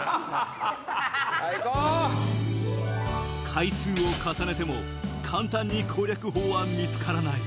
回数を重ねても簡単に攻略法は見つからない